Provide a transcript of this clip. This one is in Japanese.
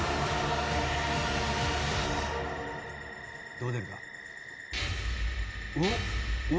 ・どう出るか。